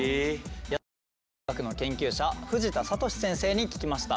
野菜園芸学の研究者藤田智先生に聞きました。